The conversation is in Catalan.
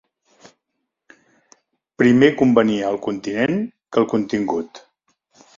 Primer convenia el continent que el contingut